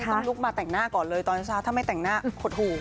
ต้องลุกมาแต่งหน้าก่อนเลยตอนเช้าถ้าไม่แต่งหน้าหดหู